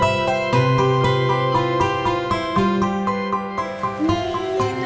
ayah jangan tinggal nasi ya